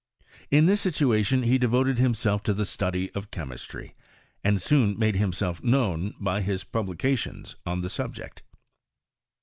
In this situation he devoted biiDself to the study of chemistry, and soon made himself known by his publications on the subject.